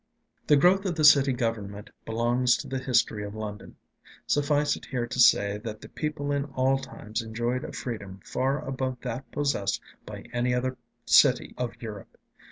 The growth of the city government belongs to the history of London. Suffice it here to say that the people in all times enjoyed a freedom far above that possessed by any other city of Europe.